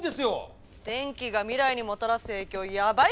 電気が未来にもたらす影響やばいっすよ！